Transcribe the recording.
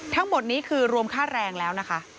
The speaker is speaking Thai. ทั้งหมดนี้คือรวมค่าแรงแล้วนะคะ